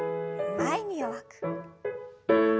前に弱く。